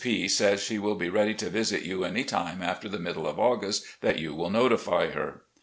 P says she will be ready to visit you any time after the middle of August that you will notify her.